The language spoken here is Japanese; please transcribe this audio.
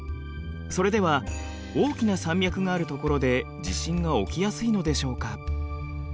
それでは大きな山脈があるところで地震が起きやすいのでしょうか。